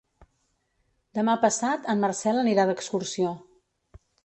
Demà passat en Marcel anirà d'excursió.